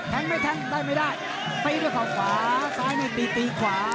แท้งไม่แท้งได้ไม่ได้ไปด้วยข้าวขวาซ้ายนี่ตีตีขวา